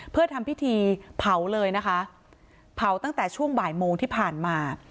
เพื่อทำพิธีเผาเลยนะคะเผาตั้งแต่ช่วงบ่ายโมงที่ผ่านมา